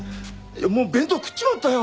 もう弁当食っちまったよ！